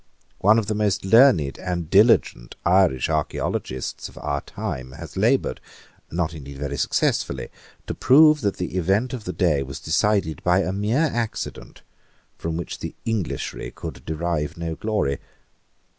One of the most learned and diligent Irish archeologists of our time has laboured, not indeed very successfully, to prove that the event of the day was decided by a mere accident from which the Englishry could derive no glory.